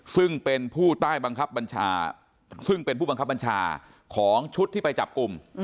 ซึ่งเป็นผู้ใต้บังคับบัญชาซึ่งเป็นผู้บังคับบัญชาของชุดที่ไปจับกลุ่ม